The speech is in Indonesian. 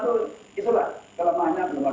selama hanya belum makan